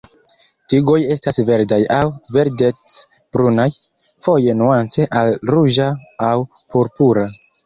Tigoj estas verdaj aŭ verdec-brunaj, foje nuance al ruĝa aŭ purpura.